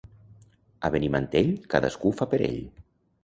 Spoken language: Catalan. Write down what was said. A Benimantell, cadascú fa per ell.